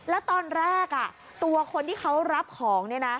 แล้วตอนแรกตัวคนที่เขารับของ